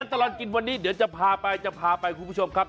ตลอดกินวันนี้เดี๋ยวจะพาไปจะพาไปคุณผู้ชมครับ